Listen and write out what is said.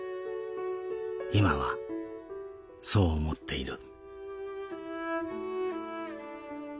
いまはそう思っている」。